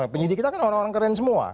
penyidik kita kan orang orang keren semua